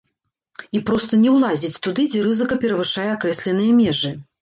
І проста не ўлазіць туды, дзе рызыка перавышае акрэсленыя межы.